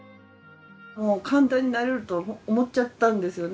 簡単になれると思っちゃったんですよね。